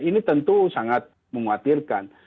ini tentu sangat mengkhawatirkan